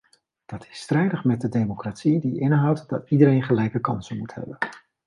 Dat is strijdig met de democratie, die inhoudt dat iedereen gelijke kansen moet hebben.